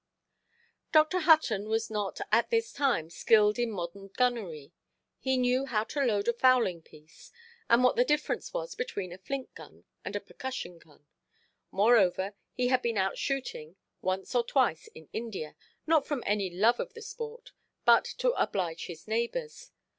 Dr. Hutton was not at this time skilled in modern gunnery. He knew how to load a fowling–piece, and what the difference was between a flint–gun and a percussion–gun; moreover, he had been out shooting once or twice in India, not from any love of the sport, but to oblige his neighbours.